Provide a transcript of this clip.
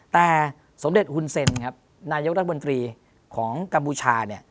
แต่สมเด็จคุณเซ็นนายยกรัฐบนตรีของกาบูชา